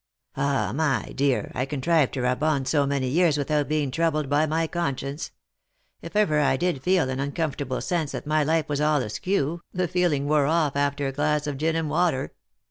" Ah, my dear, I contrived to rub on so many years without being troubled by my conscience. If ever I did feel an uncom fortable sense that my life was all askew, the feeling wore off after a glass of gin and water.